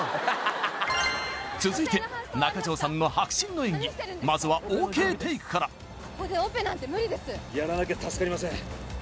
続いて中条さんの迫真の演技まずはＯＫテイクからここでオペなんてムリですやらなきゃ助かりません